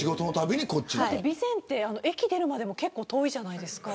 備前って駅出るまでも結構遠いじゃないですか。